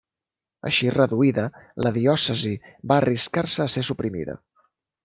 Així reduïda, la diòcesi va arriscar-se a ser suprimida.